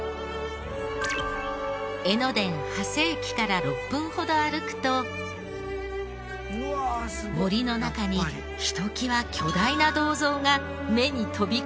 江ノ電長谷駅から６分ほど歩くと森の中にひときわ巨大な銅像が目に飛び込んできます。